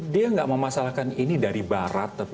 dia nggak mau masalahkan ini dari barat